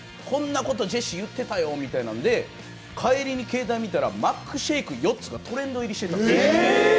こんなことジェシー言ってたよみたいなんで帰りに携帯見たら、「マックシェイク４つ」がトレンド入りしてた。